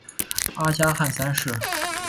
阿加汗三世。